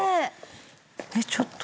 えっちょっと。